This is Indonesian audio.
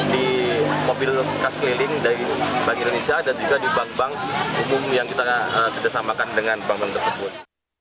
di mobil khas keliling dari bank indonesia dan juga di bank bank umum yang kita kerjasamakan dengan bank bank tersebut